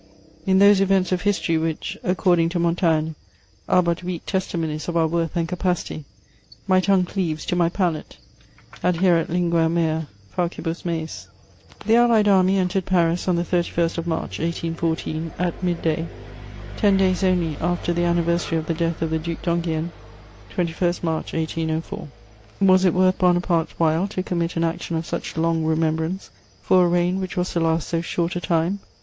In those events of history which, according to Montaigne, "are but weake testimonies of our worth and capacity," my tongue cleaves to my palate: adhæret lingua mea faucibus meis. The Allied Army entered Paris on the 31st of March 1814, at mid day, ten days only after the anniversary of the death of the Duc d'Enghien, 21 March 1804. Was it worth Bonaparte's while to commit an action of such long remembrance for a reign which was to last so short a time?